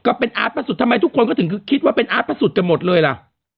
ก็เป็นอาร์ตพระสุทธิทำไมทุกคนก็ถึงคิดว่าเป็นอาร์ตพระสุทธิ์กันหมดเลยล่ะ